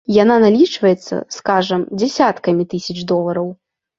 Яна налічваецца, скажам, дзясяткамі тысяч долараў.